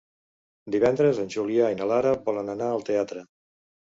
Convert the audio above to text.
Divendres en Julià i na Lara volen anar al teatre.